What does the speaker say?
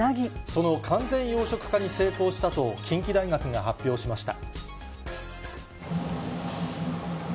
その完全養殖化に成功したと近畿大学が発表しました。